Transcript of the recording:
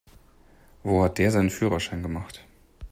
Wo hat der seinen Führerschein gemacht?